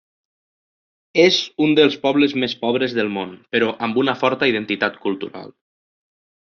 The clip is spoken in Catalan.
És un dels pobles més pobres del món però amb una forta identitat cultural.